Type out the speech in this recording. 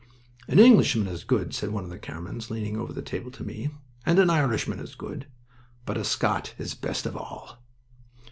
"An Englishman is good," said one of the Camerons, leaning over the table to me, "and an Irishman is good, but a Scot is the best of all."